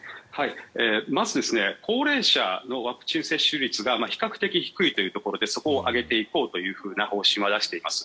まず高齢者のワクチン接種率が比較的低いというところでそこを上げていこうという方針は出しています。